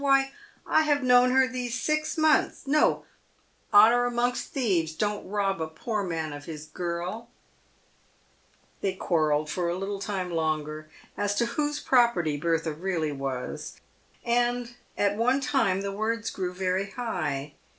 " Why, I have known her these six months. No ! honour amongst thieves ! Don't rob a poor man of his girl !" They quarrelled for a little time longer as to whose property Bertha really was, and at one time the words grew very high.